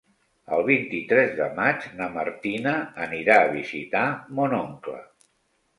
El vint-i-tres de maig na Martina anirà a visitar mon oncle.